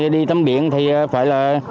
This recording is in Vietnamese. đi tắm biển thì phải là